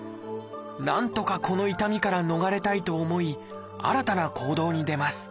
なんとかこの痛みから逃れたいと思い新たな行動に出ます。